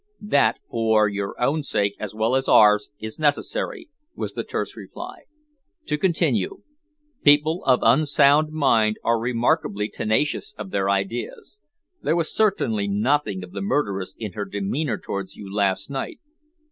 "That, for your own sake as well as ours, is necessary," was the terse reply. "To continue, people of unsound mind are remarkably tenacious of their ideas. There was certainly nothing of the murderess in her demeanour towards you last night.